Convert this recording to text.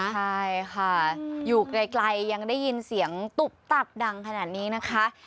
ใช่ค่ะอยู่ไกลยังได้ยินเสียงตุ๊บตับดังขนาดนี้นะคะ